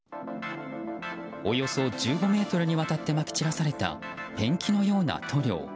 およそ１５ｍにわたってまき散らされたペンキのような塗料。